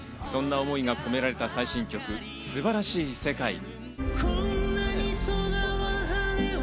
そんな思いが込められた最新曲『素晴らしい世界』。